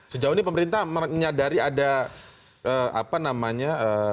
sejauh ini pemerintah menyadari ada apa namanya